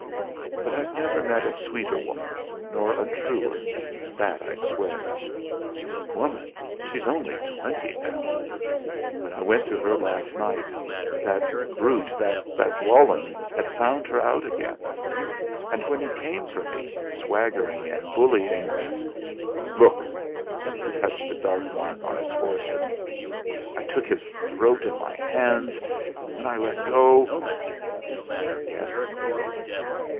"But I've never met a sweeter woman, nor a truer, that I swear. Woman! She's only twenty now! When I went to her last night, that brute that Walenn had found her out again; and when he came for me, swaggering and bullying Look!" he touched a dark mark on his forehead "I took his throat in my hands, and when I let go " "Yes?"